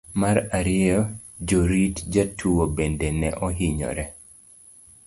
mar ariyo. jorit jotuwo bende ne ohinyore